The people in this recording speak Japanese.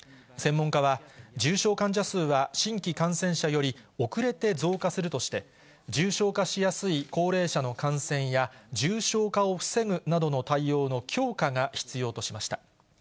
専門家は、重症患者数は、新規感染者より遅れて増加するとして、重症化しやすい高齢者の感染や、重症化を防ぐなどの対応の強化が必要としました。